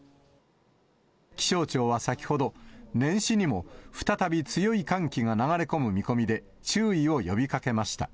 気象庁は先ほど、年始にも再び強い寒気が流れ込む見込みで、注意を呼びかけました。